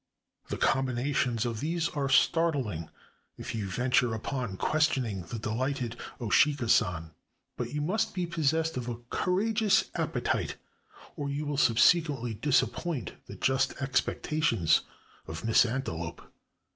The combinations of these are startling, if you venture upon questioning the dehghted 0 Shika San, but you must be possessed of a courageous appetite or you will subsequently disappoint the just expectations 394 A JAPANESE DINNER PARTY of " Miss Antelope."